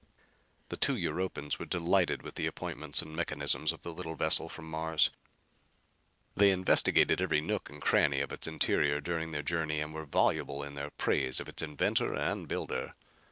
The two Europans were delighted with the appointments and mechanisms of the little vessel from Mars. They investigated every nook and cranny of its interior during the journey and were voluble in their praise of its inventor and builder.